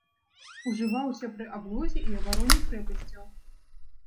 Ужываўся пры аблозе і абароне крэпасцяў.